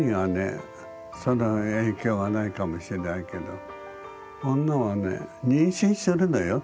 その影響はないかもしれないけど女はね妊娠するのよ。